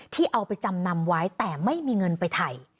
ที่เอาไปจำนำไว้แต่ไม่มีเงินไปถ่าย